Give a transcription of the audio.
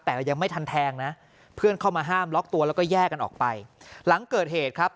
แต่ยังไม่ทันแทงนะเพื่อนเข้ามาห้ามล็อกตัวแล้วก็แยกกันออกไปหลังเกิดเหตุครับ